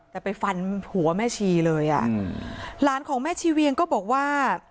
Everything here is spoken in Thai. แต่ไปฟันหัวแม่ชีเลยอ่ะอืมหลานของแม่ชีเวียงก็บอกว่า